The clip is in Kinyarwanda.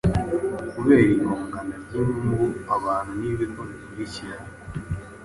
kubera igongana ry’inyungu, abantu n’ibigo bikurikira